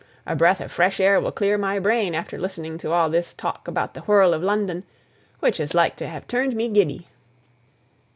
A breath of fresh air will clear my brain after listening to all this talk about the whirl of London, which is like to have turned me giddy."